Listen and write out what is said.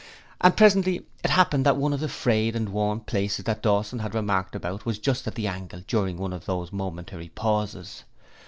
And presently it happened that one of the frayed and worn places that Dawson had remarked about was just at the angle during one of those momentary pauses.